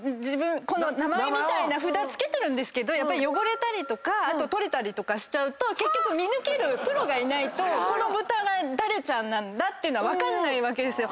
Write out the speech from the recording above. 名前みたいな札つけてるけど汚れたり取れたりしちゃうと結局見抜けるプロがいないとこの豚が誰ちゃんっていうのは分かんないわけですよ。